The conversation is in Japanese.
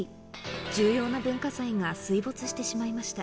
重要な文化財が水没してしまいました。